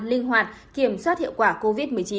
linh hoạt kiểm soát hiệu quả covid một mươi chín